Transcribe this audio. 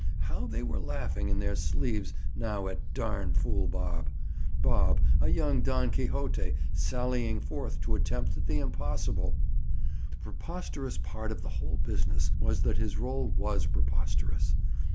How they were laughing in their sleeves now at "darn fool Bob!" Bob, a young Don Quixote, sallying forth to attempt the impossible! The preposterous part of the whole business was that his role was preposterous.